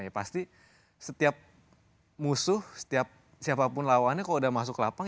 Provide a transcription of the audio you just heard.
ya pasti setiap musuh setiap siapapun lawannya kalau udah masuk lapangan